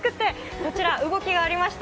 こちら動きがありました。